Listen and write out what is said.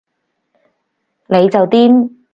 你就癲